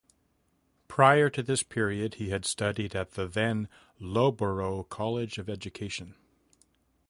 Prior to this period he had studied at the then Loughborough College of Education.